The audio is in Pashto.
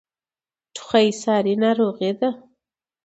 ټوخی ساری ناروغۍ ده.